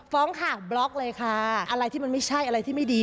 ฟ้องค่ะบล็อกเลยค่ะอะไรที่มันไม่ใช่อะไรที่ไม่ดี